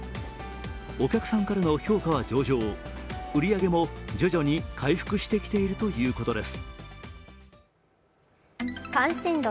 お客さんからの評価は上々、売り上げも徐々に回復してきているということです。